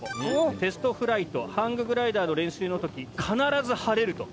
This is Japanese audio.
テストフライトハンググライダーの練習の時必ず晴れると。